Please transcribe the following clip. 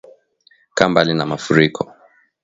Kaa mbali na Mafuriko